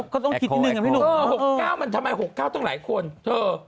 ก็ต้องคิดนิดนึงนะพี่หนุ่ม๖๙มันทำไม๖๙ต้องหลายคนเธอ